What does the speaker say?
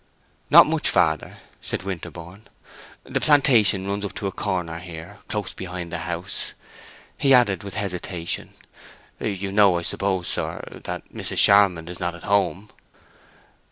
"Not much farther," said Winterborne. "The plantation runs up into a corner here, close behind the house." He added with hesitation, "You know, I suppose, sir, that Mrs. Charmond is not at home?"